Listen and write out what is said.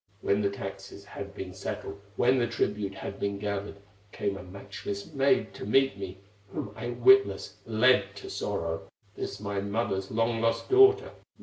When the taxes had been settled, When the tribute had been gathered, Came a matchless maid to meet me, Whom I witless led to sorrow, This my mother's long lost daughter.